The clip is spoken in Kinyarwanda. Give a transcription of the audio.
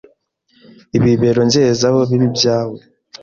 Ibibero nzezaho bibe ibyawe.